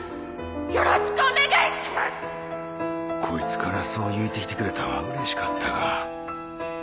よろしくこいつからそう言うてきてくれたんはうれしかったが